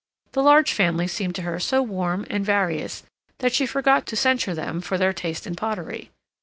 The large family seemed to her so warm and various that she forgot to censure them for their taste in pottery.